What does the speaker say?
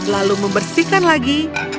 lalu membersihkan lagi